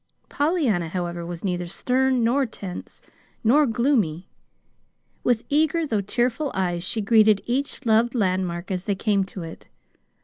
Pollyanna, however, was neither stern, nor tense, nor gloomy. With eager, though tearful eyes she greeted each loved landmark as they came to it.